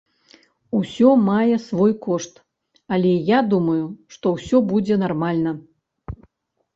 Усё мае свой кошт, але я думаю, што ўсё будзе нармальна.